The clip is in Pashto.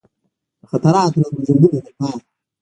د خطراتو له منځه وړلو لپاره.